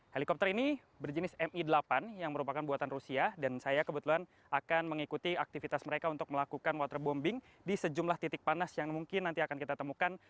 helikopter ini berjenis mi delapan yang merupakan buatan rusia dan saya kebetulan akan mengikuti aktivitas mereka untuk melakukan waterbombing di sejumlah titik panas yang mungkin nanti akan kita temukan